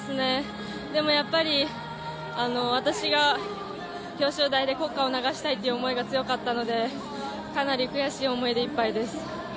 私が表彰台で国歌を流したいっていう気持ちが強かったのでかなり悔しい思いでいっぱいです。